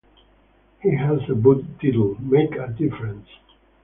He has a book titled "Make a Difference".